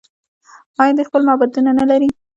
آیا دوی خپل معبدونه نلري؟